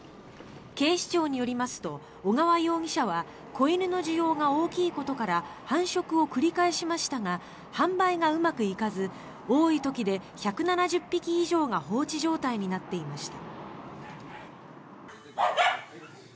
警視庁によりますと尾川容疑者は子犬の需要が大きいことから繁殖を繰り返しましたが販売がうまくいかず多い時で１７０匹以上が放置状態になっていました。